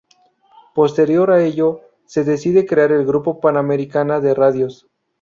Posterior a ello, se decide crear el Grupo Panamericana de Radios.